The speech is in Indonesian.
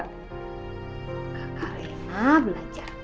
mari ma belajar